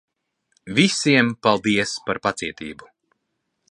Visiem, paldies par pacietību.